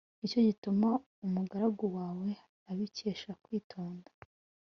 ni cyo gituma umugaragu wawe abikesha kwitonda